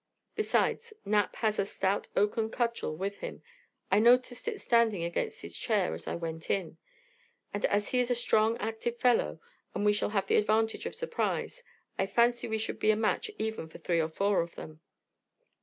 Besides, Knapp has a stout oaken cudgel with him I noticed it standing against his chair as I went in and as he is a strong active fellow, and we shall have the advantage of a surprise, I fancy we should be a match even for three or four of them."